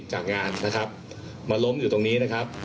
จากงานนะครับมาล้มอยู่ตรงนี้นะครับ